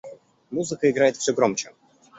Музыка играет всё громче.